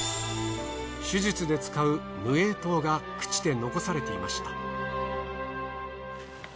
手術で使う無影灯が朽ちて残されていました。